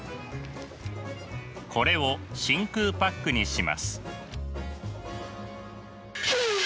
これを真空パックにします。